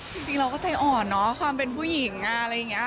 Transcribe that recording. จริงเราก็ใจอ่อนความเป็นผู้หญิงอะไรเงี้ย